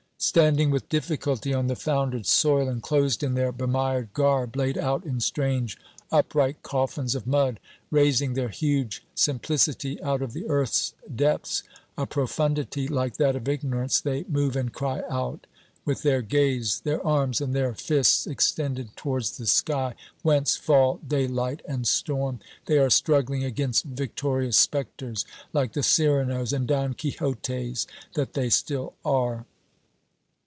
Standing with difficulty on the foundered soil, enclosed in their bemired garb, laid out in strange upright coffins of mud, raising their huge simplicity out of the earth's depths a profoundity like that of ignorance they move and cry out, with their gaze, their arms and their fists extended towards the sky whence fall daylight and storm. They are struggling against victorious specters, like the Cyranos and Don Quixotes that they still are.